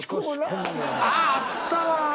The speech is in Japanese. あああったわ。